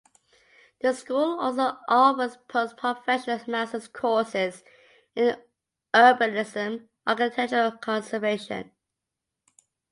The school also offers post-professional Master's courses in Urbanism and Architectural Conservation.